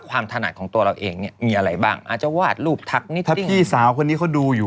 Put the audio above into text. ไม่มีบอกตรงนะไม่ได้อยากจะมีเลย